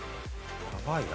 やばいな。